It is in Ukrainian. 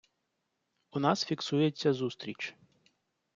У нас фіксується зустріч.